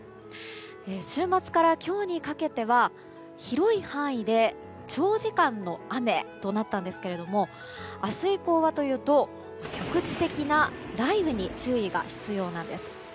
週末から今日にかけては広い範囲で、長時間の雨となったんですけれども明日以降はというと局地的な雷雨に注意が必要です。